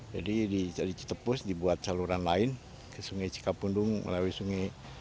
jadi di cetepus dibuat saluran lain ke sungai cikapundung melalui sungai